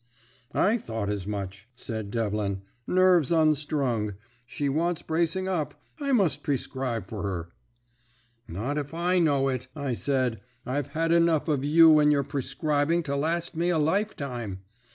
"'I thought as much,' said Devlin. 'Nerves unstrung. She wants bracing up. I must prescribe for her.' "'Not if I know it,' I said. 'I've had enough of you and your prescribing to last me a lifetime.